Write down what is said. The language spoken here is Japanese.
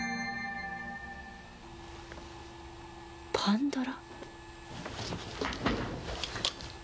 パンドラ。